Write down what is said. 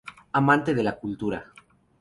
Amante de la cultura.